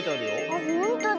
あっほんとだ。